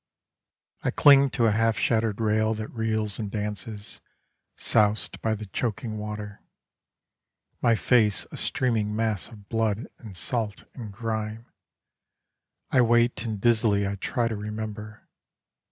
I cling to a half shattered rail that reels and dances, Soused by the choking water, My face a streaming mass of blood and salt and grime, I wait and dizzily I try to remember.